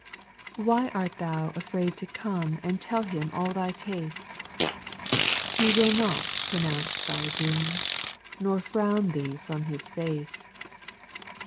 2. Why art thou afraid to come And tell Him all thy case ? He will not pronounce thy doom. Nor frown thee from His face.